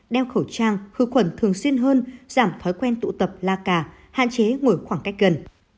đeo khẩu trang khử khuẩn thường xuyên hơn giảm thói quen tụ tập la cà hạn chế ngồi khoảng cách gần